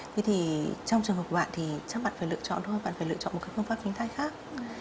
thế thì trong trường hợp của bạn thì chắc bạn phải lựa chọn thôi bạn phải lựa chọn một phương pháp tránh thai khác